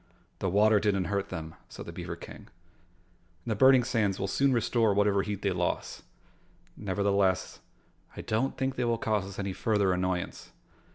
"The water didn't hurt them," said the beaver King, "and the burning sands will soon restore whatever heat they lost. Nevertheless, I don't think they will cause us any further annoyance."